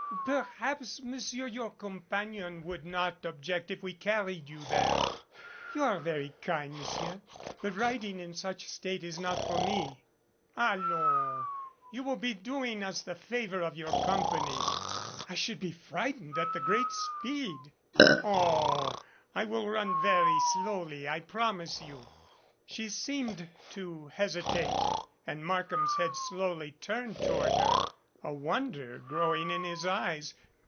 "Perhaps Monsieur your companion would not object if we carried you there." "You are very kind, Monsieur, but riding in such state is not for me." "Allans! You will be doing us the favor of your com pany." "I should be frightened at the great speed." "Oh, I will run very slowly, I promise you." She seemed to hesitate and Markham's head slowly turned toward her, a wonder growing in his eyes.